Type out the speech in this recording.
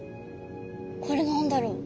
これ何だろう？